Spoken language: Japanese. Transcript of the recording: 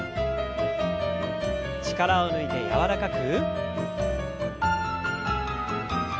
力を抜いて柔らかく。